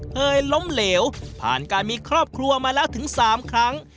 ล้มเหลวผ่านการมีครอบครัวมาแล้วถึง๓ครั้ง